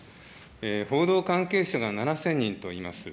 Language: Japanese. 報道関係者が７０００人といいます。